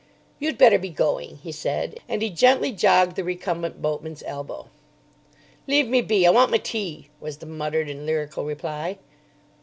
"You'd better be going," he said; and he gently jogged the recumbent boatman's elbow. "Leave me be! I want my tea," was the muttered and lyrical reply.